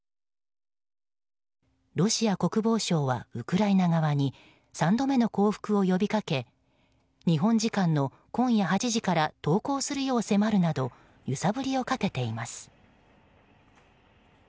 ロシア国防省は、ウクライナ側に３度目の降伏を呼びかけ日本時間の今夜８時から投降するよう迫るなど揺さぶりをかけています。